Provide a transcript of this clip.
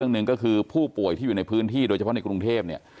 หนึ่งก็คือผู้ป่วยที่อยู่ในพื้นที่โดยเฉพาะในกรุงเทพเนี่ย